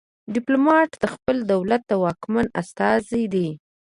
ډیپلومات د خپل دولت د واکمن استازی دی